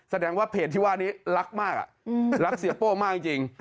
แสดงว่าเพจที่ว่านี้รักมากรักเสียโป้มากจริง